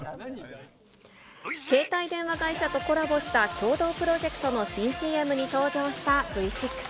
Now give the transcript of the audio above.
携帯電話会社とコラボした共同プロジェクトの新ＣＭに登場したＶ６。